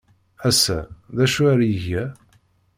Ass-a, d acu ay iga?